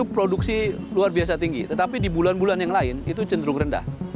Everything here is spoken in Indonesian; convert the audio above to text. produksi luar biasa tinggi tetapi di bulan bulan yang lain itu cenderung rendah